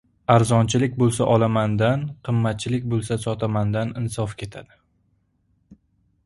• “Arzonchilik bo‘lsa olaman”dan, “qimmatchilik bo‘lsa sotaman”dan insof ketadi.